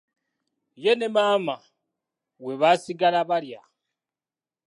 Ye ne maama we baasigala balya.